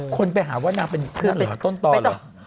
คนไปหาว่านางเป็นนั่นเหรอต้นตอเหรอ